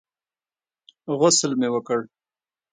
غسل مې وکړ.